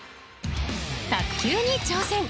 卓球に挑戦。